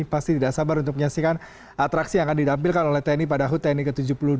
pasti tidak sabar untuk menyaksikan atraksi yang akan didampilkan oleh tni padahu tni ke tujuh puluh dua